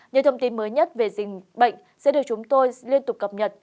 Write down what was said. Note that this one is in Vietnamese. những thông tin mới nhất về dịch bệnh sẽ được chúng tôi liên tục cập nhật